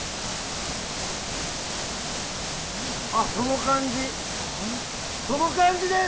あ、その感じ、その感じです！